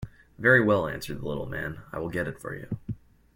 "Very well," answered the little man; "I will get it for you."